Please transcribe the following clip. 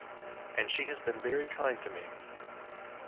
And she has been very kind to me.